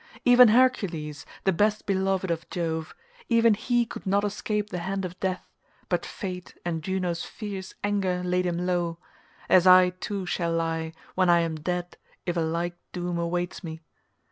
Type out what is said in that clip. Even Hercules, the best beloved of Jove—even he could not escape the hand of death, but fate and Juno's fierce anger laid him low, as I too shall lie when I am dead if a like doom awaits me.